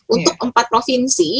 untuk empat provinsi